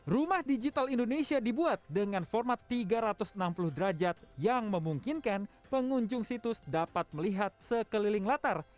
rumah digital indonesia dibuat dengan format tiga ratus enam puluh derajat yang memungkinkan pengunjung situs dapat melihat sekeliling latar